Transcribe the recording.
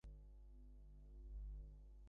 বিনয়ের পক্ষে এ কি অসম্ভব?